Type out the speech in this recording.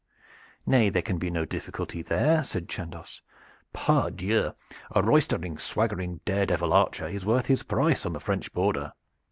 "Nay, there can be no difficulty there," said Chandos. "Pardieu! a roistering, swaggering dare devil archer is worth his price on the French border.